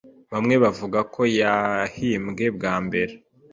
Bamwe bavuga ko yahimbwe bwa mbere